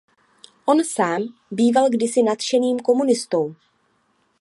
On sám býval kdysi nadšeným komunistou.